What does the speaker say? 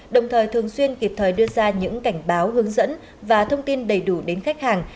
đồng thời thường xuyên kịp thời đưa ra những cảnh báo hướng dẫn và thông tin đầy đủ đến khách hàng